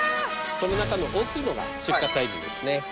この中の大きいのが出荷サイズですね。